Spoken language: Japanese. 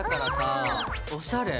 おしゃれ。